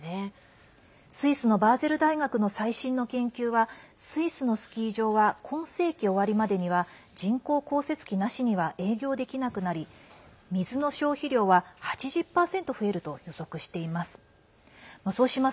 スイスのバーゼル大学の最新の研究はスイスのスキー場は今世紀終わりまでには人工降雪機なしには営業できなくなり水の消費量は８０％増えると予測しています。